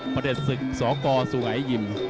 ประเด็นศึกสกสุไหยยิม